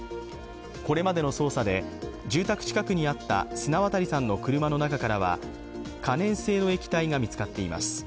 これまでの捜査で、住宅近くにあった砂渡さんの車の中から可燃性の液体が見つかっています。